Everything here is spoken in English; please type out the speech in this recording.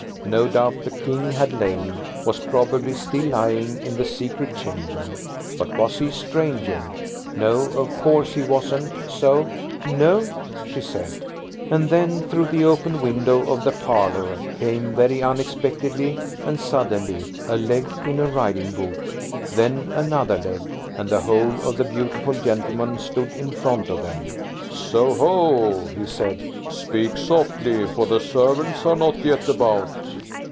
No doubt the King had lain–was probably still lying–in the secret chamber. But was he a stranger? No, of course he wasn't. So– "No," she said. And then through the open window of the parlour came, very unexpectedly and suddenly, a leg in a riding boot, then another leg, and the whole of the beautiful gentleman stood in front of them. "So ho!" he said. "Speak softly, for the servants are not yet about."